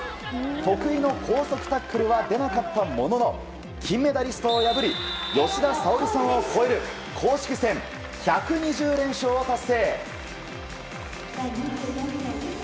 得意の高速タックルは出なかったものの金メダリストを破り吉田沙保里さんを超える公式戦１２０連勝を達成。